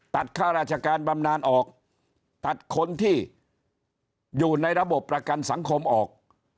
ค่าราชการบำนานออกตัดคนที่อยู่ในระบบประกันสังคมออก